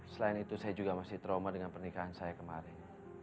selain itu saya juga masih trauma dengan pernikahan saya kemarin